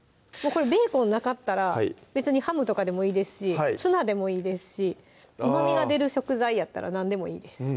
ベーコンなかったら別にハムとかでもいいですしツナでもいいですしうまみが出る食材やったら何でもいいです